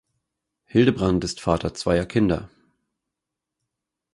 Hildebrand ist Vater zweier Kinder.